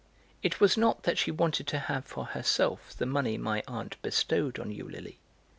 It was not that she wanted to have for herself the money my aunt bestowed on Eulalie.